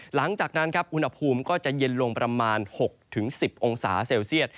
หลังจากนั้นครับอุณหภูมิก็จะเย็นลงประมาณ๖๑๐องศาเซลเซียต